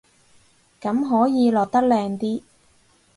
咁可以落得靚啲